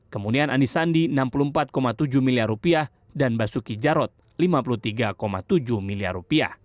kemudian anies sandi rp enam puluh empat tujuh miliar dan basuki jarot rp lima puluh tiga tujuh miliar